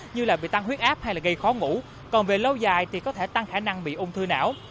như là bị tăng huyết áp hay là gây khó ngủ còn về lâu dài thì có thể tăng khả năng bị ung thư não